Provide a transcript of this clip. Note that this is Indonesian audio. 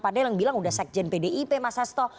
padahal yang bilang sudah sekjen pdip mas sesto